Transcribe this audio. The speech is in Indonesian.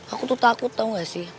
aku tuh takut tau ga sih